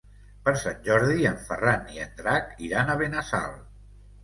Per Sant Jordi en Ferran i en Drac iran a Benassal.